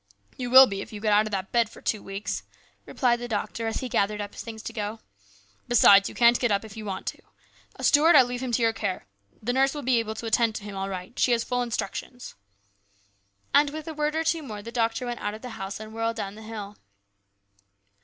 " You will be if you get out of that bed for two weeks," replied the doctor as he gathered up his A CHANGE. 101 things to go. " Besides, you can't get up if you want to. Stuart, I leave him in your care. The nurse will be able to attend to him all right. She has full instructions." And with a word or two more the doctor went out of the house and whirled down the hill.